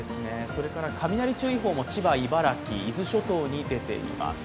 雷注意報も千葉、茨城伊豆諸島に出ています。